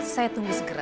saya tunggu segera